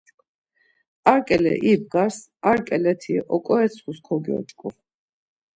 Ar ǩele ibgars, ar ǩeleti oǩoretsxus kogyoç̌ǩu.